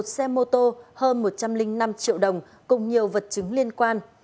một mươi một xe mô tô hơn một trăm linh năm triệu đồng cùng nhiều vật chứng liên quan